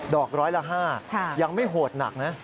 อกร้อยละ๕ยังไม่โหดหนักนะ